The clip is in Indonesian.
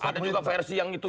ada juga versi yang itu